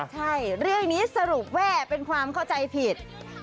ใช่เรื่องนี้สรุปว่าเป็นความเข้าใจผิด